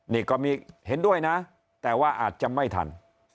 นี่ก็มีเห็นด้วยนะแต่ว่าอาจจะไม่ทัน